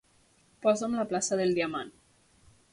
Posa'm la plaça del diamant.